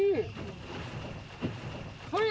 はい！